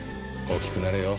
大きくなれよ。